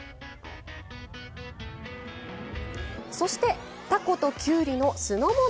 そしてたこときゅうりの酢の物。